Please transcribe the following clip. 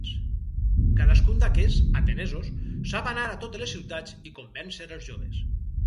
Cadascun d'aquests, atenesos, sap anar a totes les ciutats i convèncer els joves.